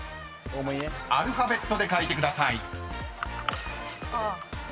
［アルファベットで書いてください］